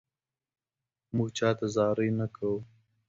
مونږ چاته زاري نه کوو